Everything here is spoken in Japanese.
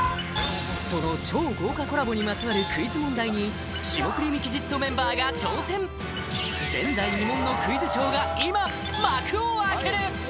その超豪華コラボにまつわるクイズ問題に霜降りミキＸＩＴメンバーが挑戦前代未聞のクイズショーが今幕を開ける！